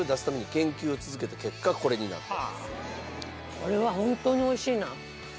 これは本当に美味しいな。